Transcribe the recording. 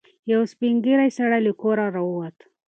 یو سپین ږیری سړی له کوره راووت.